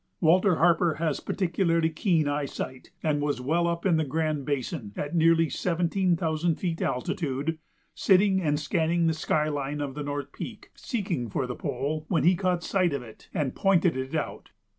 Walter Harper has particularly keen sight, and he was well up in the Grand Basin, at nearly seventeen thousand feet altitude, sitting and scanning the sky line of the North Peak, seeking for the pole, when he caught sight of it and pointed it out.